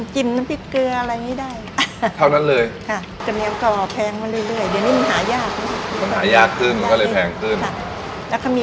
ขึ้นแล้วก็มีกลางเลี้ยงอ่ะก่อนเลยอืมมันก็แพงมากอันนี้กลางเลี้ยงหรือว่ากลาง